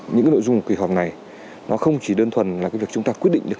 những nội dung kỳ họp này không chỉ đơn thuần là việc chúng ta quyết định được